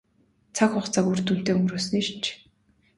Цаг хугацааг үр дүнтэй өнгөрөөсний шинж.